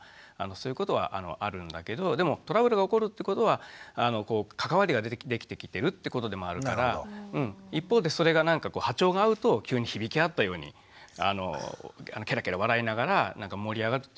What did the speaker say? そういうことはあるんだけどでもトラブルが起こるってことは関わりができてきてるってことでもあるから一方でそれがなんか波長が合うと急に響きあったようにケラケラ笑いながら盛り上がるっていうこともあるし。